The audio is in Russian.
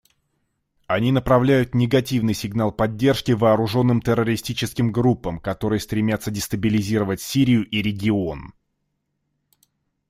Они направляют негативный сигнал поддержки вооруженным террористическим группам, которые стремятся дестабилизировать Сирию и регион.